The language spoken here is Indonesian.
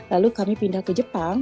lalu kami pindah ke jepang